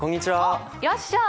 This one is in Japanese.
あっいらっしゃい。